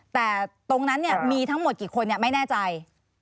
แต่ตรงนั้นมีทั้งหมดกี่คนไม่แน่ใจ